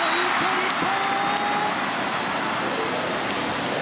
日本。